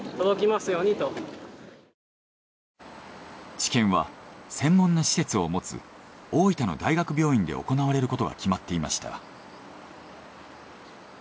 治験は専門の施設を持つ大分の大学病院で行われることが決まっていました。